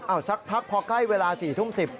เอาสักพักพอใกล้เวลา๔ทุ่ม๑๐